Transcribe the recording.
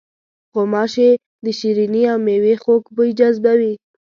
غوماشې د شریني او میوې خوږ بوی جذبوي.